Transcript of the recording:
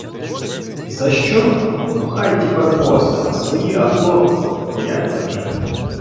За що? Ну, хай ті барбоси, а свої, а хлопці? Бояться вже.